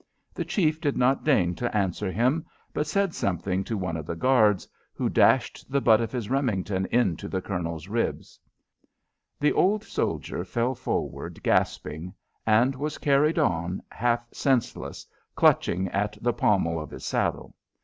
The chief did not deign to answer him, but said something to one of the guards, who dashed the butt of his Remington into the Colonel's ribs. [Illustration: The old soldier fell forward gasping p145] The old soldier fell forward gasping, and was carried on half senseless, clutching at the pommel of his saddle.